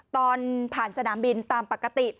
ตอนผ่านสนามบินตามปกติ